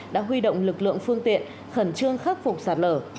đã huy động lực lượng phương tiện khẩn trương khắc phục sạt lở